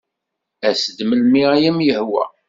As-d melmi ay am-yehwa.